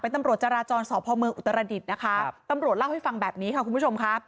ตำรวจจราจรสพเมืองอุตรดิษฐ์นะคะตำรวจเล่าให้ฟังแบบนี้ค่ะคุณผู้ชมค่ะ